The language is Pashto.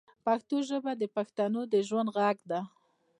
پښتو ژبه د بښتنو د ژوند ږغ دی